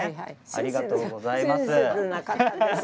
ありがとうございます。